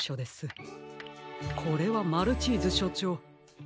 これはマルチーズしょちょう。